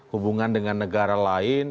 hubungan dengan negara lain